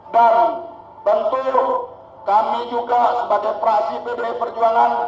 dan tentu kami juga sebagai praksi bdi perjuangan